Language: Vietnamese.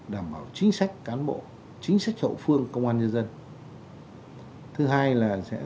đảm bảo chính sách cán bộ chính sách hậu phương công an nhân dân